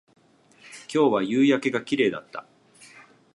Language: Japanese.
今日は夕焼けが綺麗だった